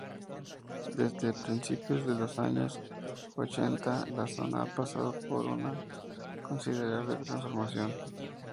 Desde principios de los años ochenta, la zona ha pasado por una considerable transformación.